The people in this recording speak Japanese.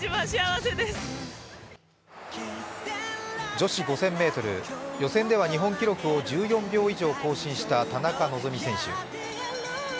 女子５０００ｍ、予選では日本記録を１４秒以上更新した田中希実選手。